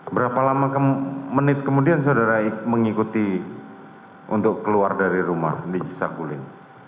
berapa lama menit kemudian saudara mengikuti untuk keluar dari rumah di saguling